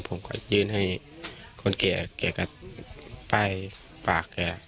ผมก็ยื่นให้ไปปากแก่